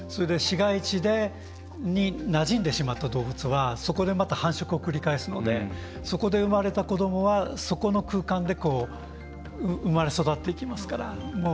市街地になじんでしまった動物はそこで、また繁殖を繰り返すのでそこで生まれた子どもはそこの空間で生まれ育っていきますから。